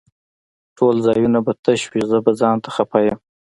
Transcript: ټول ځايونه به تش وي زه به ځانته خپه يم